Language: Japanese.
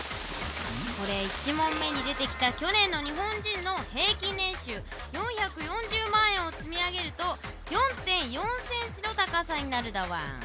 これ１問目に出てきた去年の日本人の平均年収４４０万円を積み上げると４．４ｃｍの高さになるだワン。